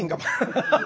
アハハハ。